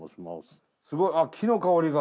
すごいあ木の香りが。